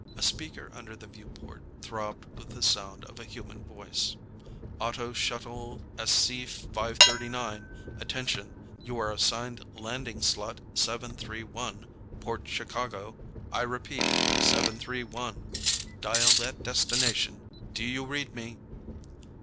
A speaker under the viewport throbbed with the sound of a human voice. "Auto shuttle SC 539, attention. You are assigned landing slot seven three one, Port Chicago. I repeat, seven three one. Dial that destination. Do you read me?"